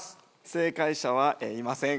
正解者はいません。